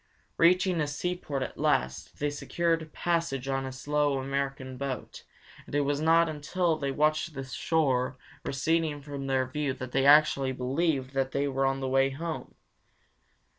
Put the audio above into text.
Reaching a seaport at last, they secured passage on a slow American boat, and it was not until they watched the shore receding from their view that they actually believed that they were on the way home.